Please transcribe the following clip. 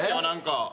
何か！